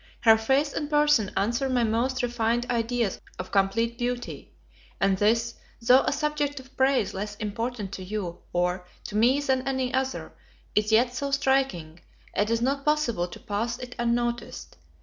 Her face and person answer my most refined ideas of complete beauty: and this, though a subject of praise less important to you, or, to me than any other, is yet so striking, it is not possible to pass it unnoticed.